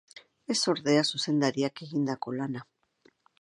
Ez ordea, zuzendariak egindako lana.